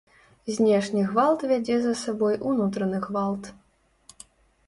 Знешні гвалт вядзе за сабой унутраны гвалт.